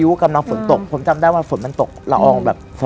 ดูเรื่อง